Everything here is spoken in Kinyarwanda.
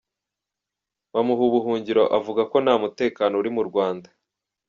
Bamuha ubuhungiro avuga ko ntamutekano uri mu Rwanda.